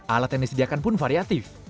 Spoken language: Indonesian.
alat yang disediakan pun variatif